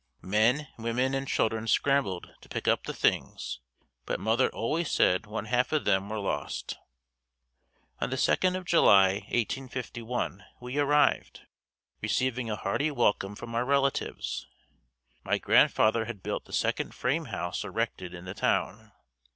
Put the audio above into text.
Men, women and children scrambled to pick up the things but mother always said one half of them were lost. On the second of July, 1851 we arrived, receiving a hearty welcome from our relatives. My grandfather had built the second frame house erected in the town.